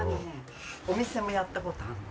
お店もやったことあるの！？